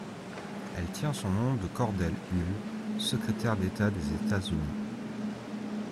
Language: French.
Elle tient son nom de Cordell Hull, secrétaire d'État des États-Unis.